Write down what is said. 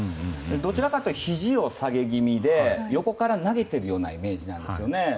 どちらかというとひじを下げ気味で横から投げているようなイメージなんですね。